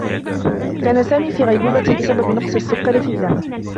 كان سامي في غيبوبة بسبب نقص السّكّر في الدّم.